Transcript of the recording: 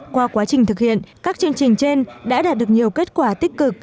qua quá trình thực hiện các chương trình trên đã đạt được nhiều kết quả tích cực